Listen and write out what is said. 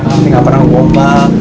ya tapi gak pernah ngegombal